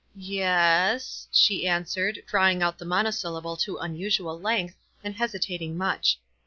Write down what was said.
"Y — e — s," she answered, drawing out the monosyllable to unusual length, and hesitating much.